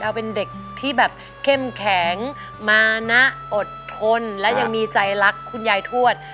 เอาเป็นเด็กที่แบบเข้มแข็งมานะอดทนและยังมีใจรักคุณยายทวด